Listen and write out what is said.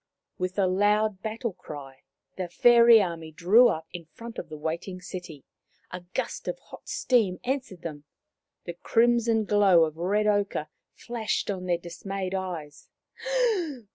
With a loud battle cry the fairy army drew up in front of the waiting city. A gust of hot steam answered them ; the crimson glow of red ochre flashed on their dismayed eyes.